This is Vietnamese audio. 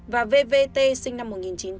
và vvt sinh năm một nghìn chín trăm chín mươi ba